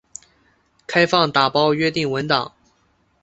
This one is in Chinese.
开放打包约定文档。